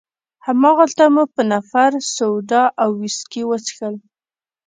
هماغلته مو په نفر سوډا او ویسکي وڅښل.